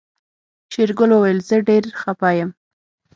شېرګل وويل زه ډېر خپه يم.